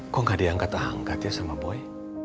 kok gak diangkat angkat ya sama boy